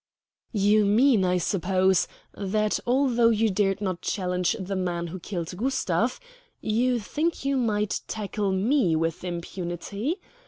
"You mean, I suppose, that, although you dared not challenge the man who killed Gustav, you think you might tackle me with impunity.